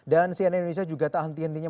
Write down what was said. dan cnn indonesia juga tak henti hentinya